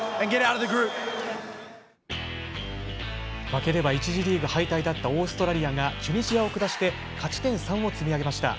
負ければ１次リーグ敗退だったオーストラリアがチュニジアを下して勝ち点３を積み上げました。